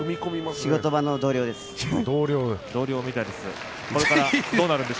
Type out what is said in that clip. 仕事場の同僚です。